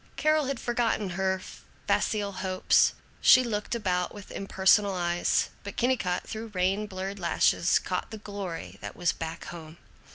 Carol had forgotten her facile hopes. She looked about with impersonal eyes. But Kennicott, through rain blurred lashes, caught the glory that was Back Home.